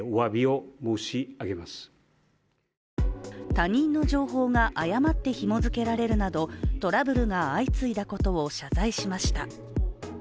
他人の情報が誤ってひも付けられるなどトラブルが相次いだことを謝罪しました。